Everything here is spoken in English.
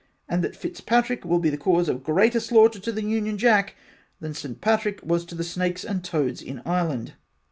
And that Fitzpatrick will be the cause of greater slaughter to the Union Jack than Saint Patrick was to the snakes and toads in Ireland.